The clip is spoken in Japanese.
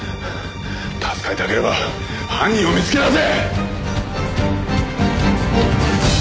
助かりたければ犯人を見つけ出せ！